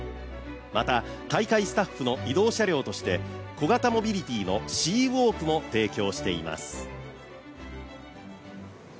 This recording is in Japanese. また大会スタッフの移動車両として小型モビリティのＣ＋ｗａｌｋも提供しています。